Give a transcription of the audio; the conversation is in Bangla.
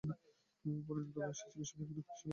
পরিণত বয়সে চিকিৎসাবিজ্ঞানে কাজ শুরু করেন।